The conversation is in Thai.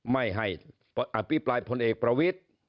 ไม่ให้อภิปรายพลเอกประวิทธิ์